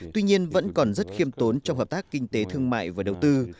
tuy nhiên vẫn còn rất khiêm tốn trong hợp tác kinh tế thương mại và đầu tư